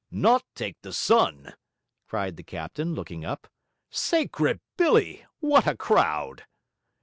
'Not take the sun?' cried the captain, looking up. 'Sacred Billy! what a crowd!'